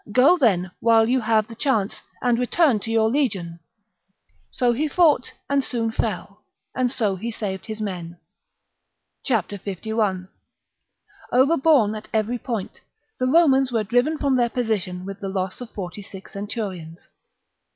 Go, then, while you have the chance, and return to your legion." So he fought, and soon fell ; and so he saved his men. 5 I. Overborne at every point, the Romans were but are re driven from their position with the loss of forty heavy loss, six centurions.